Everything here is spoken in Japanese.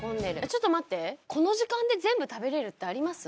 ちょっと待ってこの時間で全部食べれるってあります？